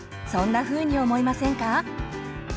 そんなふうに思いませんか？